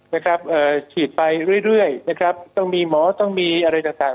เอ่อฉีดไปเรื่อยเรื่อยนะครับต้องมีหมอต้องมีอะไรต่างต่าง